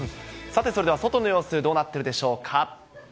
さて、それでは外の様子、どうなってるでしょうか？